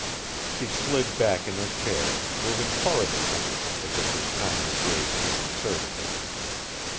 She slid back in her chair, moving farther from him, as if his kindly gaze disconcerted her.